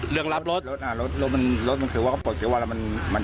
เขาบอกว่ามันไม่เกี่ยวหรอก